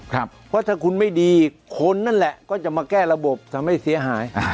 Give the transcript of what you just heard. เพราะถ้าคุณไม่ดีคนนั่นแหละก็จะมาแก้ระบบทำให้เสียหาย